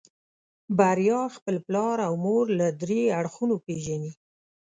بريا خپل پلار او مور له دريو اړخونو پېژني.